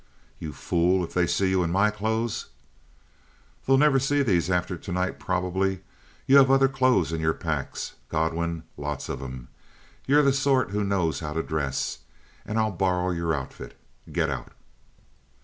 "You fool. If they see you in my clothes?" "They'll never see these after tonight, probably. You have other clothes in your packs, Godwin. Lots of 'em. You're the sort who knows how to dress, and I'll borrow your outfit. Get out!"